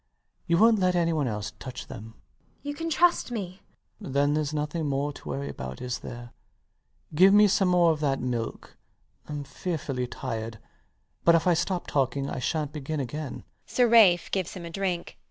You wont let anyone else touch them. MRS DUBEDAT. You can trust me. LOUIS. Then theres nothing more to worry about, is there? Give me some more of that milk. I'm fearfully tired; but if I stop talking I shant begin again. [Sir Ralph gives him a drink.